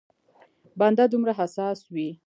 بنده دومره حساس وي.